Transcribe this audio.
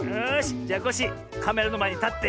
じゃコッシーカメラのまえにたって。